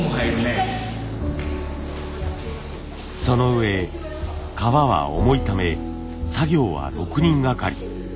そのうえ革は重いため作業は６人がかり。